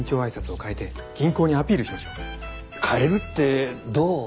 変えるってどう。